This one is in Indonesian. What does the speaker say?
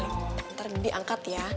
nih ntar bibi angkat ya